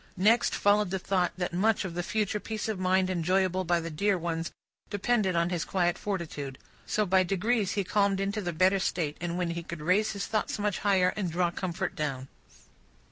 Next followed the thought that much of the future peace of mind enjoyable by the dear ones, depended on his quiet fortitude. So, by degrees he calmed into the better state, when he could raise his thoughts much higher, and draw comfort down.